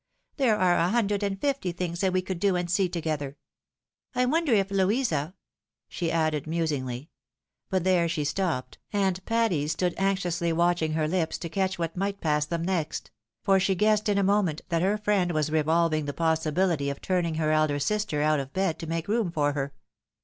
" There are a hundred and fifty things that we could do and see together. I wonder if Louisa —" she added, musingly ; but there she stopped, and Patty stood anxiously watching her hps, to catch what might pass them next ; for she guessed in a moment that her friend was revolving the possibOity of turning her elder sister out of bed to make room for her.